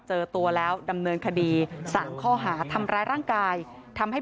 จะขอโทษแล้วยังไงครับ